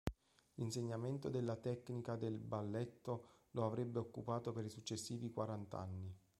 L'insegnamento della tecnica del balletto lo avrebbe occupato per i successivi quaranta anni.